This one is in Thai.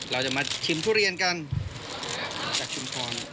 เราจะมาชิมทุเรียนกัน